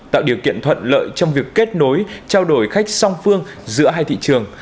tạo điều kiện thuận lợi trong việc kết nối trao đổi khách song phương giữa hai thị trường